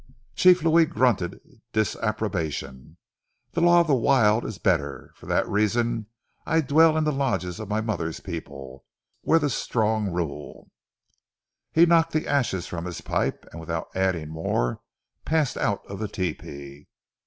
Chief Louis grunted disapprobation. "Ze law of ze wild is better. For dat reason I dwell in ze lodges of my mother's people, where ze strong rule." He knocked the ashes from his pipe, and without adding more passed out of the tepee.